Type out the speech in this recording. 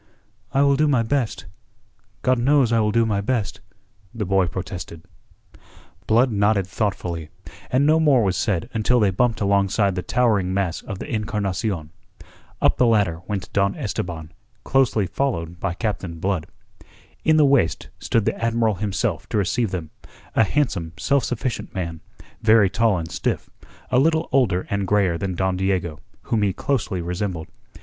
"I will do my best. God knows I will do my best," the boy protested. Blood nodded thoughtfully, and no more was said until they bumped alongside the towering mass of the Encarnadon. Up the ladder went Don Esteban closely followed by Captain Blood. In the waist stood the Admiral himself to receive them, a handsome, self sufficient man, very tall and stiff, a little older and greyer than Don Diego, whom he closely resembled.